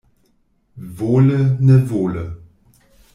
Vole-nevole.